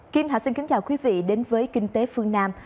kim thạch xin kính chào quý vị đến với kinh tế phương nam